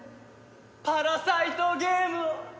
パラサイトゲームを！